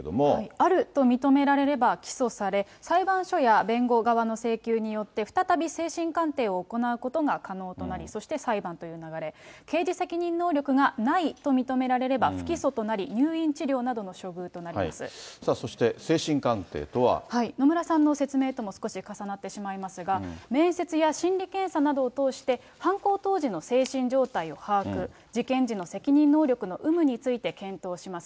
あると認められれば起訴され、裁判所や弁護側の請求によって再び精神鑑定を行うことが可能となり、そして裁判という流れ、刑事責任能力がないと認められれば不起訴となり、さあ、そして精神鑑定とは。野村さんの説明とも少し重なってしまいますが、面接や心理検査などを通して、犯行当時の精神状態を把握、事件時の責任能力の有無について検討します。